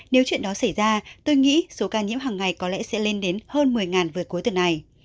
nếu chuyện đó xảy ra tôi nghĩ số ca nhiễm hằng ngày có lẽ sẽ lên đến hơn một mươi vừa cuối tuần này